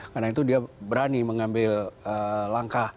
karena itu dia berani mengambil langkah